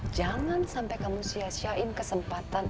jangan sampai kamu sia siain kesempatan